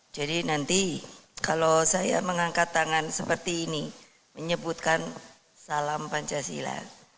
jadi nanti kalau saya mengangkat tangan seperti ini menyebutkan salam pancasila